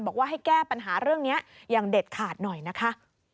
บอกว่าให้แก้ปัญหาเรื่องนี้อย่างเด็ดขาดหน่อยนะคะ